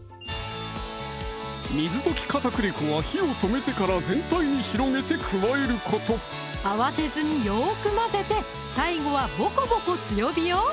水溶き片栗粉は火を止めてから全体に広げて加えること慌てずによく混ぜて最後はボコボコ強火よ